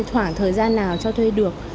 khoảng thời gian nào cho thuê được